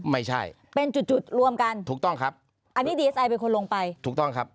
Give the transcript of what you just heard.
ไม่ใช่เป็นจุดจุดรวมกันถูกต้องครับอันนี้ดีเอสไอเป็นคนลงไปถูกต้องครับ